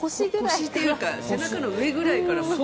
腰というか背中の上くらいから。